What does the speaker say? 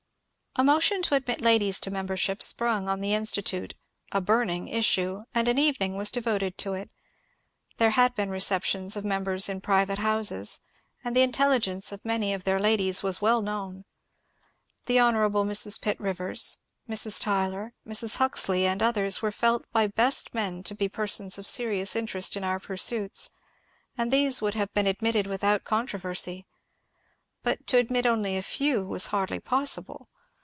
A motion to admit ladies to membership sprung on the In stitute a ^^ burning issue," and an evening was devoted to it. There had been receptions of members in private houses, and the intelligence of many of their ladies was well known. The Hon. Mrs. Pitt Rivers, Mrs. Tylor, Mrs. Huxley, and others were felt by best men to be persons of serious interest in our pursuits, and these would have been admitted without contro versy. But to admit only a few was hardly possible.